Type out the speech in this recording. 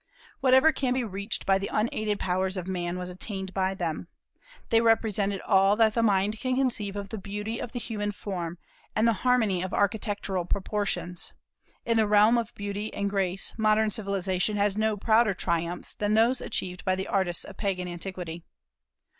Whatever can be reached by the unaided powers of man was attained by them. They represented all that the mind can conceive of the beauty of the human form, and the harmony of architectural proportions, In the realm of beauty and grace modern civilization has no prouder triumphs than those achieved by the artists of Pagan antiquity.